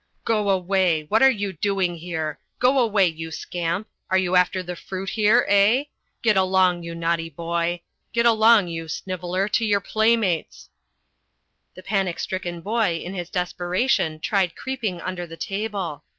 " Go away; what are you doing here ? Go away, you scamp; are you after the fruit here, eh ? Get along, you naughty boy ! Get along, you sniveller, to your playmates !" The panic stricken boy in his desperation tried creeping under the table.